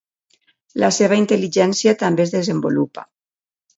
La seva intel·ligència també es desenvolupa.